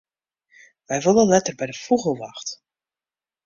Wy wolle letter by de fûgelwacht.